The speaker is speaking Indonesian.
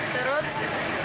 terus pas itunya